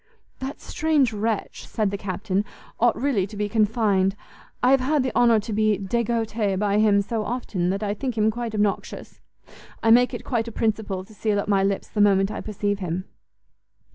"That strange wretch," said the Captain, "ought really to be confined; I have had the honour to be degoute by him so often, that I think him quite obnoxious. I make it quite a principle to seal up my lips the moment I perceive him."